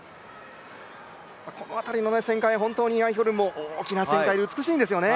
この辺りの旋回、本当にアイヒホルンも大きな旋回で美しいんですよね。